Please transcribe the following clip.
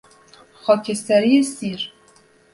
خاکستری سیر